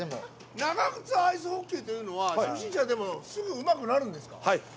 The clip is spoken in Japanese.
長ぐつアイスホッケーというのは初心者でもすぐうまくなるんですか。